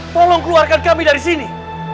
tolong keluarkan kami dari sini